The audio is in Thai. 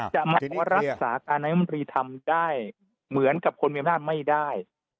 หมายถึงว่ารักษาการนายมนตรีทำได้เหมือนกับคนมีอำนาจไม่ได้